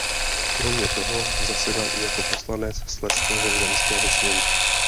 Kromě toho zasedal i jako poslanec Slezského zemského sněmu.